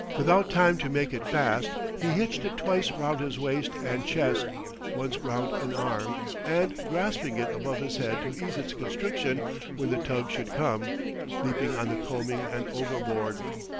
Without time to make it fast, he hitched it twice round his waist and chest, once round an arm, and, grasping it above his head to ease its constriction when the tug should come, leaped on the combing and overboard.